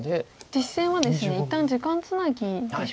実戦はですね一旦時間つなぎでしょうか。